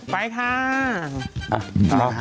ไปค้า